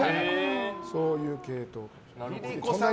そういう系統。